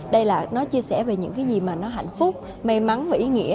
đây là nó chia sẻ về những cái gì mà nó hạnh phúc may mắn và ý nghĩa